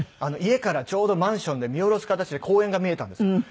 家からちょうどマンションで見下ろす形で公園が見えたんですよ。